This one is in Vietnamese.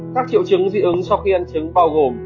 các triệu chứng dị ứng sau khi ăn trứng bao gồm